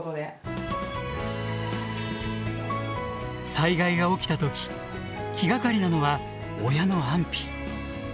災害が起きた時気がかりなのは親の安否。